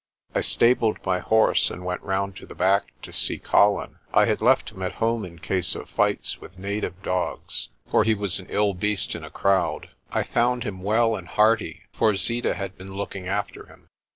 I stabled my horse, and went round to the back to see Colin. (I had left him at home in case of fights with native dogs, for he was an ill beast in a crowd.) I found him well and hearty, for Zeeta had been looking after him.